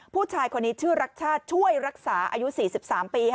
ผู้ชายคนนี้ชื่อรักชาติช่วยรักษาอายุ๔๓ปี